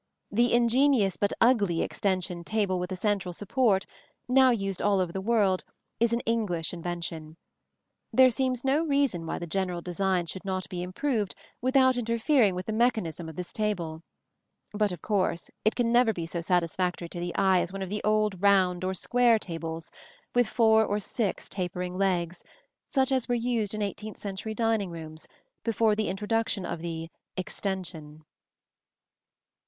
The ingenious but ugly extension table with a central support, now used all over the world, is an English invention. There seems no reason why the general design should not be improved without interfering with the mechanism of this table; but of course it can never be so satisfactory to the eye as one of the old round or square tables, with four or six tapering legs, such as were used in eighteenth century dining rooms before the introduction of the "extension."